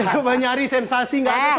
coba nyari sensasi enggak